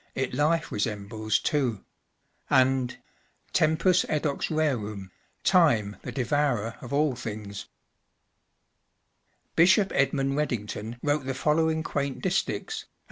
It life resembles too.” ani— 11 Tempus edax rerum (Time, the devourer of all things). Bishop Edmund Redyngton wrote the following quaint distiches, a,d.